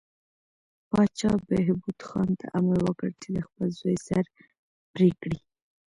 پاچا بهبود خان ته امر وکړ چې د خپل زوی سر پرې کړي.